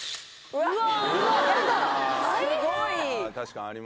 うわ！